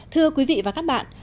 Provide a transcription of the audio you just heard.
thưa quý vị và các bạn